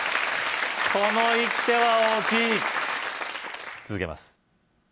この一手は大きい続けます